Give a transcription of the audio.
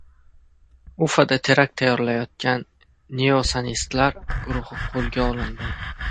Ufada terakt tayyorlayotgan neonasistlar guruhi qo‘lga olindi